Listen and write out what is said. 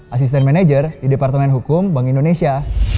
assistant manager di departemen hukum bank indonesia